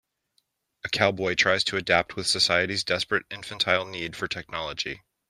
A cowboy tries to adapt with society 's desperate infantile need for technology.